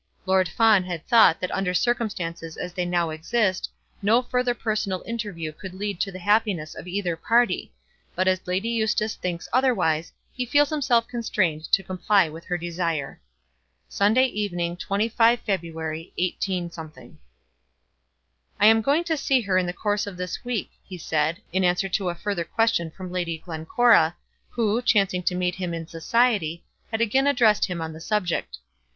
Lord Fawn had thought that under circumstances as they now exist, no further personal interview could lead to the happiness of either party; but as Lady Eustace thinks otherwise, he feels himself constrained to comply with her desire. Sunday evening, 25 February, 18 . "I am going to see her in the course of this week," he said, in answer to a further question from Lady Glencora, who, chancing to meet him in society, had again addressed him on the subject.